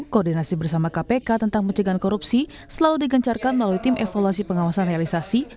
koordinasi bersama kpk tentang pencegahan korupsi selalu digencarkan melalui tim evaluasi pengawasan realisasi